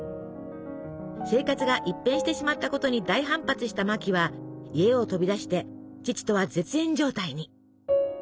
生活が一変してしまったことに大反発したマキは家を飛び出して父とは絶縁状態に。